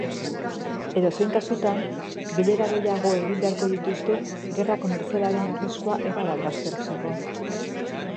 Edozein kasutan, bilera gehiago egin beharko dituzte gerra komertzialaren arriskua erabat baztertzeko.